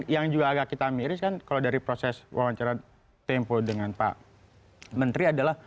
yang juga agak kita miris kan kalau dari proses wawancara tempo dengan pak menteri adalah